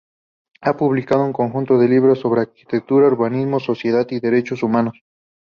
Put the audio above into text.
Ha publicado un conjunto de libros sobre arquitectura, urbanismo, sociedad y derechos humanos.